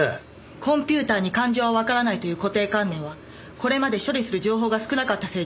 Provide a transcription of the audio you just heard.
コンピューターに感情はわからないという固定観念はこれまで処理する情報が少なかったせいです。